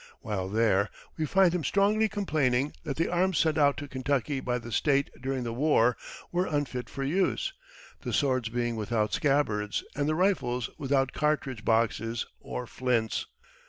While there, we find him strongly complaining that the arms sent out to Kentucky by the State during the year were unfit for use, the swords being without scabbards, and the rifles without cartridge boxes or flints.